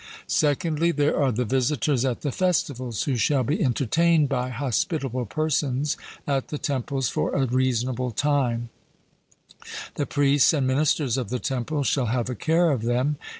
Secondly, there are the visitors at the festivals, who shall be entertained by hospitable persons at the temples for a reasonable time; the priests and ministers of the temples shall have a care of them.